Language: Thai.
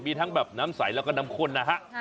มีทั้งแบบน้ำใสแล้วก็น้ำข้นนะฮะ